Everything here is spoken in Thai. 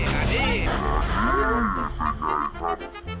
มานี่สุดยอดครับ